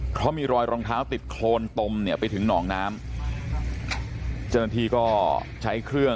เพราะมีรอยรองเท้าติดโคลนตมเนี่ยไปถึงทองน้ำ